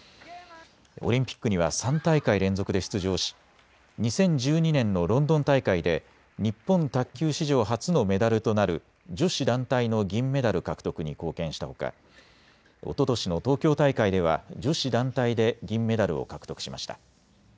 オリンピックには３大会連続で出場し、２０１２年のロンドン大会で日本卓球史上初のメダルとなる女子団体の銀メダル獲得に貢献したほかおととしの東京大会では女子団体で銀メダルを獲得しました。